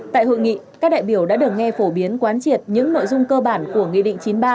tại hội nghị các đại biểu đã được nghe phổ biến quán triệt những nội dung cơ bản của nghị định chín mươi ba